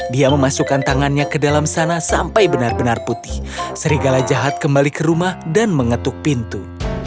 dia memasukkan tangannya ke dalam sana sampai benar benar putih serigala jahat kembali ke rumah dan mengetuk pintu